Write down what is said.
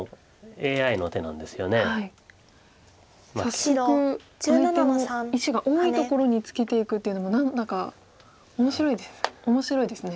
早速相手の石が多いところにツケていくっていうのも何だか面白いですね。